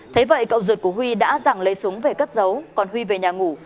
thế vậy cậu ruột của huy đã dần lấy súng về cất giấu còn huy về nhà ngủ